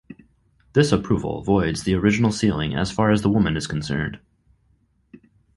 This approval voids the original sealing as far as the woman is concerned.